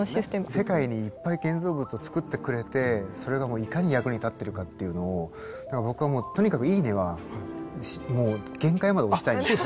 世界にいっぱい建造物をつくってくれてそれがもういかに役に立ってるかっていうのを僕はもうとにかく「いいね」はもう限界まで押したいんですよ。